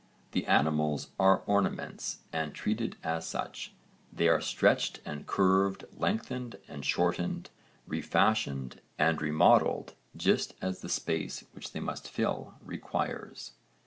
'The animals are ornaments and treated as such. They are stretched and curved, lengthened and shortened, refashioned, and remodelled just as the space which they must fill requires.'